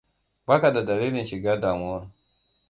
Ba ka da dalilin shiga damuwa.